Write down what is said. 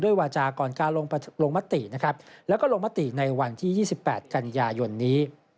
ด้วยวาจาก่อนการลงมติและลงมติในวันที่๒๘กันยายนนี้